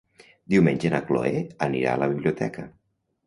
Diumenge na Chloé anirà a la biblioteca.